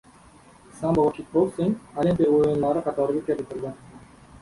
Sambo va kikboksing olimpiya o‘yinlari qatoriga kiritildi